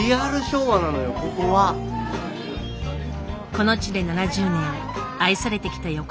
この地で７０年愛されてきた横丁。